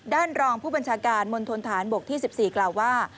รองผู้บัญชาการมณฑนฐานบกที่๑๔กล่าวว่า